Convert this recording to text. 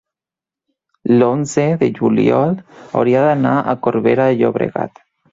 l'onze de juliol hauria d'anar a Corbera de Llobregat.